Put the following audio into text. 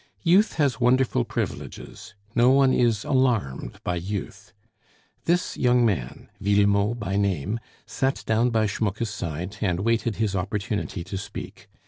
Youth has wonderful privileges; no one is alarmed by youth. This young man Villemot by name, sat down by Schmucke's side and waited his opportunity to speak.